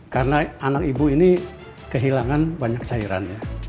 karena anak ibu ini kehilangan banyak cairan ya